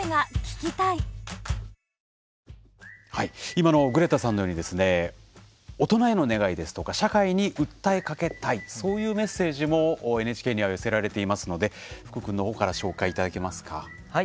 今のグレタさんのように大人への願いですとか社会へ訴えかけたいというメッセージもＮＨＫに寄せられていますので福君のほうから紹介いただけますか。